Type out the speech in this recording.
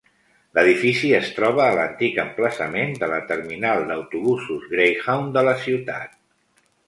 L'edifici es troba a l'antic emplaçament de la terminal d'autobusos Greyhound de la ciutat.